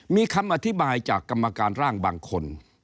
มีคำอธิบายจากกรรมการร่างบางคน